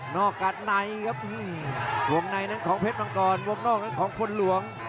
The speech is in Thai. อกกัดในครับวงในนั้นของเพชรมังกรวงนอกนั้นของคนหลวง